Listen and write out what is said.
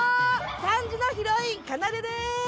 ３時のヒロインかなでです！